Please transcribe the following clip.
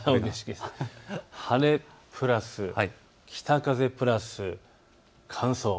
晴れプラス北風プラス乾燥。